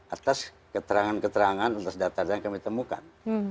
atas keterangan keterangan atas data data yang kami temukan